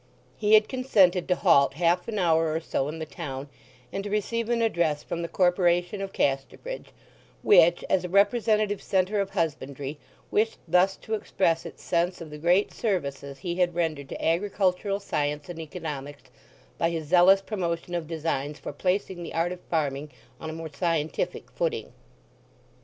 He had consented to halt half an hour or so in the town, and to receive an address from the corporation of Casterbridge, which, as a representative centre of husbandry, wished thus to express its sense of the great services he had rendered to agricultural science and economics, by his zealous promotion of designs for placing the art of farming on a more scientific footing.